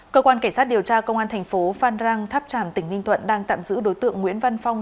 cơ quan cảnh sát điều tra công an thành phố phan răng tháp trảm tỉnh ninh tuận đang tạm giữ đối tượng nguyễn văn phong